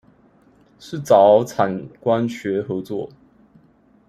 是找產官學合作